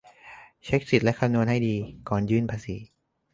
เช็กสิทธิ์และคำนวณให้ดี ก่อนยื่นภาษี